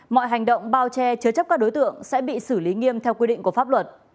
mọi hành động bao che chứa chấp các đối tượng sẽ bị xử lý nghiêm theo quy định của pháp luật